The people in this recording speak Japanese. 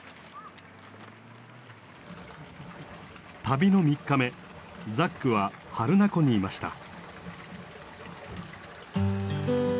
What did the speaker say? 旅の３日目ザックは榛名湖にいました。